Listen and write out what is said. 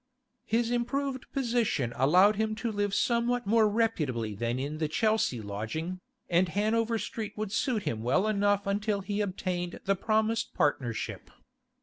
His improved position allowed him to live somewhat more reputably than in the Chelsea lodging, and Hanover Street would suit him well enough until he obtained the promised partnership.